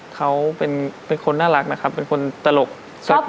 เขาเป็นคนน่ารักนะครับเป็นคนตลก